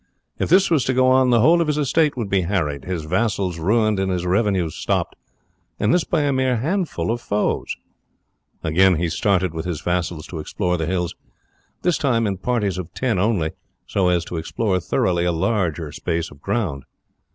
If this was to go on, the whole of his estate would be harried, his vassals ruined, and his revenues stopped, and this by a mere handful of foes. Again he started with his vassals to explore the hills, this time in parties of ten only, so as to explore thoroughly a larger space of ground.